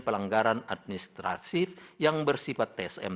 pelanggaran administrasif yang bersifat tsm